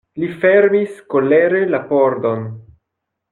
Li fermis kolere la pordon.